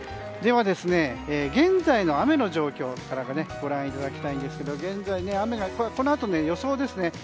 では、現在の雨の状況をご覧いただきたいんですがこのあと、予想ですね。